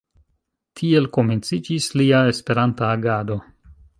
Tiel komenciĝis lia Esperanta agado.